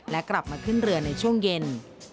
และกลับมาขึ้นเรือในช่วงเย็น